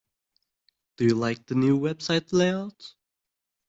Do you like the new website layout?